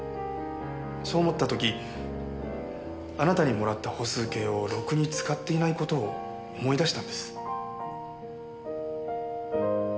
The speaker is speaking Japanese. そう思った時あなたにもらった歩数計をろくに使っていない事を思い出したんです。